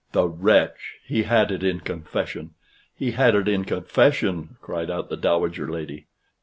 "The wretch! he had it in confession! he had it in confession!" cried out the Dowager Lady.